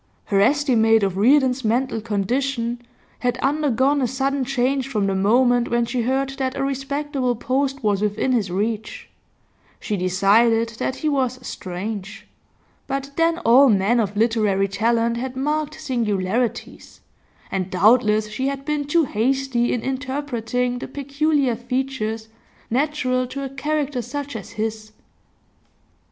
Her estimate of Reardon's mental condition had undergone a sudden change from the moment when she heard that a respectable post was within his reach; she decided that he was 'strange,' but then all men of literary talent had marked singularities, and doubtless she had been too hasty in interpreting the peculiar features natural to a character such as his.